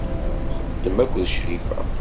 Txeddem akked Crifa.